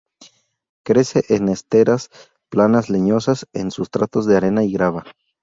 Crece en esteras planas leñosas, en sustratos de arena y grava.